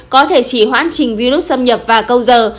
có thể chỉ hoãn trình virus xâm nhập và câu giờ